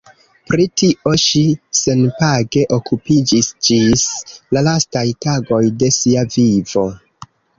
Pri tio ŝi senpage okupiĝis ĝis la lastaj tagoj de sia vivo.